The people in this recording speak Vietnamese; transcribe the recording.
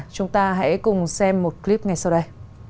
chúng ta hãy cùng xem một clip ngay sau đây